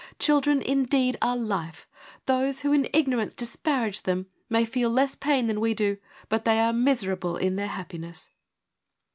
Children, indeed, are life : those who in ignorance disparage them, may feel less pain than we do, but they are miserable in their happiness.'